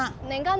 kamu berapa lama